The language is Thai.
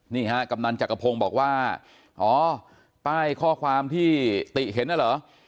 นี่ฮะกำนันจักรพงศ์บอกว่าอ๋อป้ายข้อความที่ติเห็นน่ะเหรอ